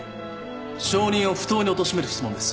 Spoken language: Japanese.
証人を不当におとしめる質問です。